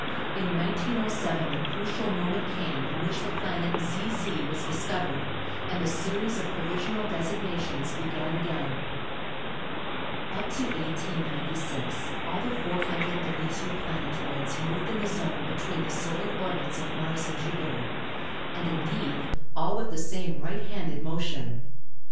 In 1907 the crucial moment came in which the planet ZZ was discovered, and the series of provisional designations began again. Up to 1896 all the 432 planetoids moved in the zone between the solar orbits of Mars and Jupiter; and, in deed, all with the same right handed motion.